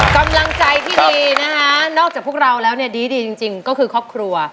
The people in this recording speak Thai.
กำลังใจที่ดีนะคะนอกจากพวกเราแล้วเนี่ยดีจริงก็คือครอบครัว